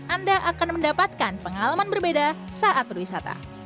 anda akan mendapatkan pengalaman berbeda saat berwisata